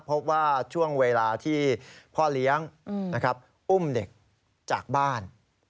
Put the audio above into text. พบว่าช่วงเวลาที่พ่อเลี้ยงอุ้มเด็กจากบ้าน